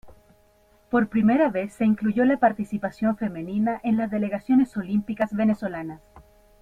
Por primera vez se incluyó la participación femenina en las delegaciones olímpicas venezolanas.